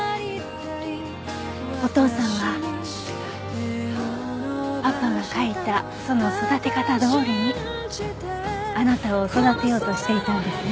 お父さんはパパが書いたその育て方どおりにあなたを育てようとしていたんですね。